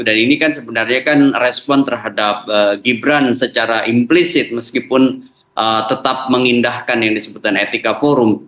dan ini kan sebenarnya kan respon terhadap gibran secara implicit meskipun tetap mengindahkan yang disebutkan etika forum